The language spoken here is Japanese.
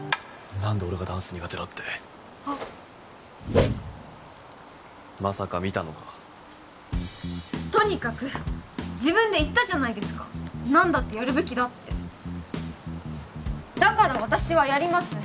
何で俺がダンス苦手だってあまさか見たのかとにかく自分で言ったじゃないですか何だってやるべきだってだから私はやります